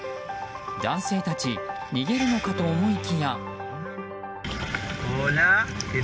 男性たち逃げるのかと思いきや。